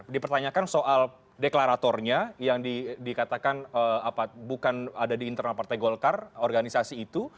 dipertanyakan soal deklaratornya yang dikatakan bukan ada di internal partai golkar organisasi itu